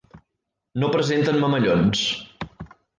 No presenten mamellons.